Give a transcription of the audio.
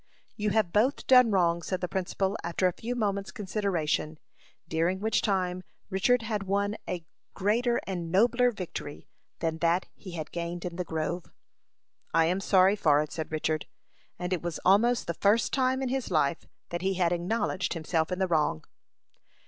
"You have both done wrong," said the principal, after a few moments' consideration, during which time Richard had won a greater and nobler victory than that he had gained in the grove. "I am sorry for it," said Richard, and it was almost the first time in his life that he had acknowledged himself in the wrong.